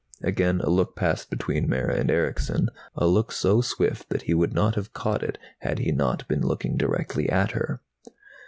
Again a look passed between Mara and Erickson, a look so swift that he would not have caught it had he not been looking directly at her.